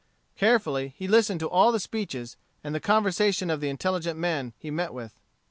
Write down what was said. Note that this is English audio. Carefully he listened to all the speeches and the conversation of the intelligent men he met with.